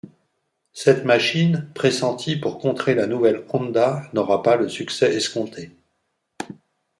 Cette machine, pressentie pour contrer la nouvelle Honda, n'aura pas le succès escompté.